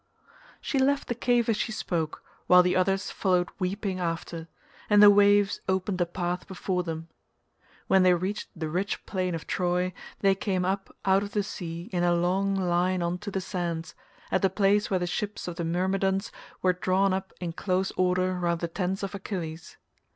She left the cave as she spoke, while the others followed weeping after, and the waves opened a path before them. When they reached the rich plain of Troy, they came up out of the sea in a long line on to the sands, at the place where the ships of the Myrmidons were drawn up in close order round the tents of Achilles.